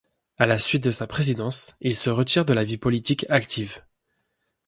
À la suite de sa présidence, il se retire de la vie politique active.